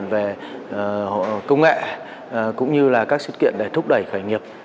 về công nghệ cũng như là các sự kiện để thúc đẩy khởi nghiệp